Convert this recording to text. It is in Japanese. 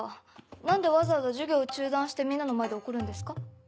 何でわざわざ授業を中断してみんなの前で怒るんですか？